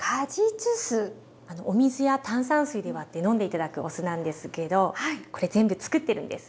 お水や炭酸水で割って飲んで頂くお酢なんですけどこれ全部つくってるんです。